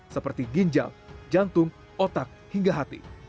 seperti ginjal jantung otak hingga hati